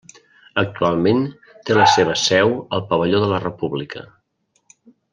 Actualment té la seva seu al Pavelló de la República.